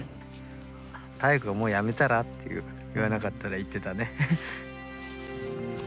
妙子が「もうやめたら？」と言わなかったら行ってたね。